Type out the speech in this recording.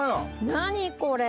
何これ。